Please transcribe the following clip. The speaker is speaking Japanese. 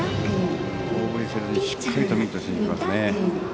大振りせずにしっかりミートしに行きますね。